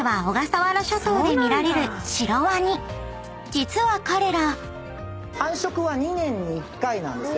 ［実は彼ら］